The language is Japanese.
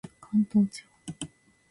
関東地方